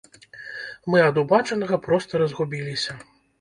Мы ад убачанага проста разгубіліся.